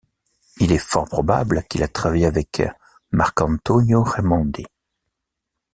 Il est fort probable qu'il a travaillé avec Marcantonio Raimondi.